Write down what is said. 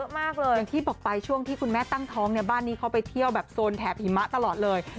อย่างที่บอกไปช่วงที่คุณแม่ตั้งท้องเนี่ยบ้านนี้เขาไปเที่ยวแบบโซนแถบหิมะตลอดเลย